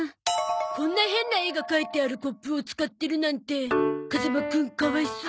こんな変な絵が描いてあるコップを使ってるなんて風間くんかわいそう。